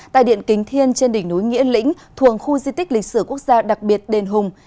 tại điện kính thiên trên đỉnh núi nghĩa lĩnh thuồng khu di tích lịch sử quốc gia đặc biệt đền hùng